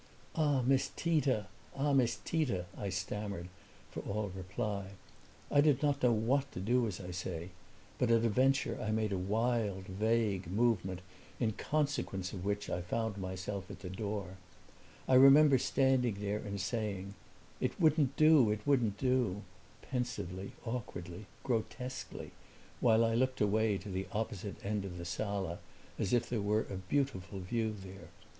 "Ah, Miss Tita ah, Miss Tita," I stammered, for all reply. I did not know what to do, as I say, but at a venture I made a wild, vague movement in consequence of which I found myself at the door. I remember standing there and saying, "It wouldn't do it wouldn't do!" pensively, awkwardly, grotesquely, while I looked away to the opposite end of the sala as if there were a beautiful view there.